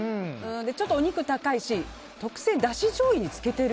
ちょっとお肉高いし特製だしじょうゆに漬けてる。